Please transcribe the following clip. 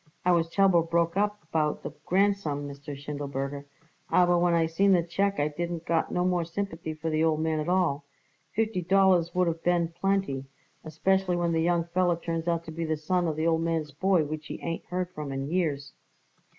I was terrible broke up about the grandson, Mr. Schindelberger, aber when I seen the check I didn't got no more sympathy for the old man at all. Fifty dollars would of been plenty, especially when the young feller turns out to be the son of the old man's boy which he ain't heard from in years."